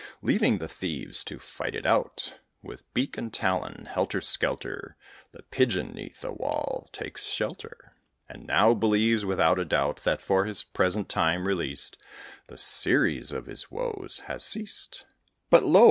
Leaving the thieves to fight it out, With beak and talon, helter skelter, The Pigeon 'neath a wall takes shelter; And now believes, without a doubt, That for the present time released, The series of his woes has ceased. But, lo!